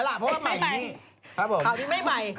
ครับผมข่าวนี้ไม่ใหม่